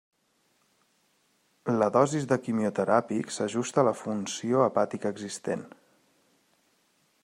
La dosi de quimioteràpic s'ajusta a la funció hepàtica existent.